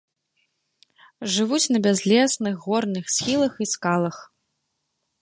Жывуць на бязлесных горных схілах і скалах.